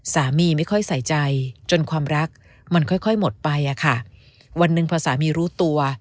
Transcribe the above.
ไม่ค่อยใส่ใจจนความรักมันค่อยค่อยหมดไปอะค่ะวันหนึ่งพอสามีรู้ตัว